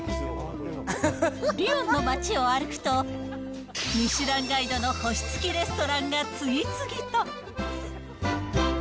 リヨンの街を歩くと、ミシュランガイドの星付きレストランが次々と。